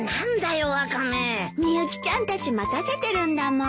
みゆきちゃんたち待たせてるんだもん。